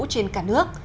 trên cả nước